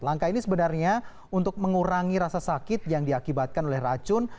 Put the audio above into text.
langkah ini sebenarnya untuk mengurangi rasa sakit yang diakibatkan oleh racun